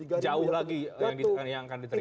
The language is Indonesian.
jauh lagi yang akan diterima